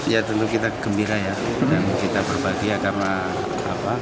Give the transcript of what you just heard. ya tentu kita gembira ya dan kita berbahagia karena apa